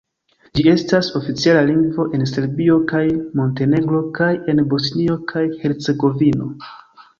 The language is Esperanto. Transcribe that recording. Ĝi estas oficiala lingvo en Serbio kaj Montenegro kaj en Bosnio kaj Hercegovino.